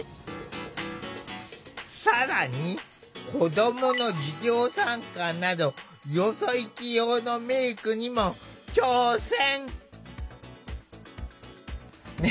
更に子どもの授業参観などよそ行き用のメークにも挑戦！